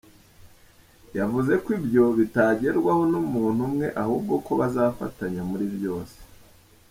Yavuze ko ibyo bitagerwaho n’umuntu umwe ahubwo ko bazafatanya muri byose.